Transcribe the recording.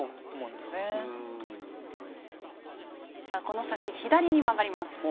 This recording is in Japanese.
さあこの先左に曲がります。